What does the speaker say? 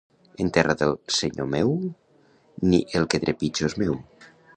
En terra del senyor meu ni el que trepitjo és meu.